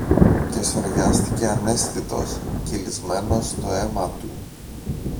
Και σωριάστηκε αναίσθητος, κυλισμένος στο αίμα του.